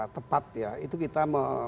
tepat ya itu kita